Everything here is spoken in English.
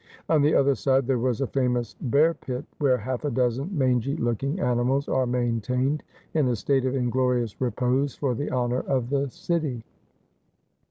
On the other side there was a famous bear pit, v/here half a dozen mangy looking animals are maintained in a state of inglorious repose for the honour of the city.